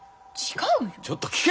ちょっと聞けよ！